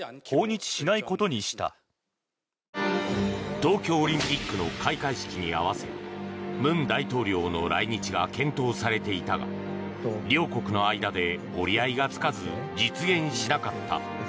東京オリンピックの開会式に合わせ文大統領の来日が検討されていたが両国の間で折り合いがつかず実現しなかった。